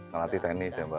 ngelati tenis ya mbak